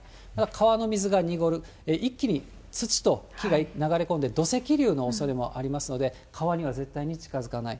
川の水が濁る、一気に土と木が流れ込んで、土石流のおそれもありますので、川には絶対に近づかない。